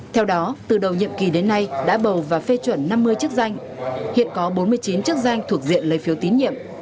theo đó từ đầu nhiệm kỳ đến nay đã bầu và phê chuẩn năm mươi chức danh hiện có bốn mươi chín chức danh thuộc diện lấy phiếu tín nhiệm